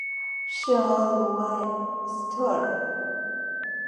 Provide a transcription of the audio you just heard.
圣阿卢埃斯特尔。